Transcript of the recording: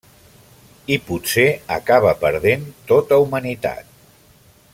I potser acaba perdent tota humanitat.